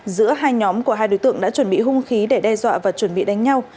giữa hai nhóm của hai đối tượng đã chuẩn bị hung khí để đe dọa và chuẩn bị đánh nhau